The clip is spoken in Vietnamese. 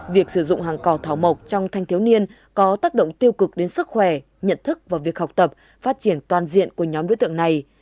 việc sử dụng hàng cò thảo mộc trong thanh thiếu niên có tác động tiêu cực đến sức khỏe nhận thức và việc học tập phát triển toàn diện của nhóm đối tượng này